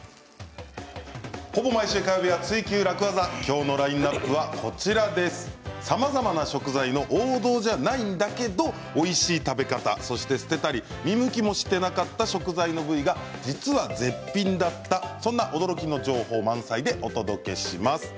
ほぼ毎週火曜日は「ツイＱ楽ワザ」今日のラインナップはこちらさまざまな食材の王道じゃないんだけどおいしい食べ方そして捨てたり見向きもしていなかった食材の部位が実は絶品だったそんな驚きの情報満載でお届けします。